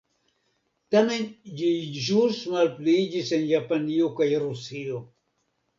Tamen ĝi ĵus malpliiĝis en Japanio kaj Rusio.